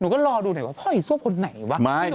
พ่ออีซ่วมคนใหนวะ